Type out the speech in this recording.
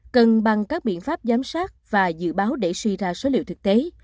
cần bằng các biện pháp giám sát và dự báo để suy ra số liệu thực tế